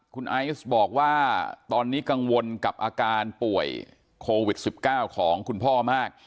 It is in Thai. คุณไอซ์บอกว่าตอนนี้กังวลกับอาการป่วยโควิด๑๙ของคุณพ่อมาก